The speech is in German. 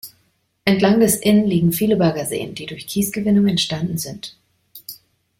Entlang des Inn liegen viele Baggerseen, die durch Kiesgewinnung entstanden sind.